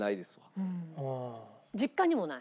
実家にもない？